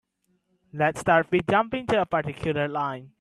Let's start with jumping to a particular line.